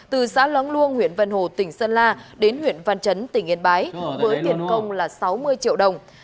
từ xã lóng luông huyện vân hồ tỉnh sơn la đến huyện văn chấn tỉnh yên bái với tiền công là sáu mươi triệu đồng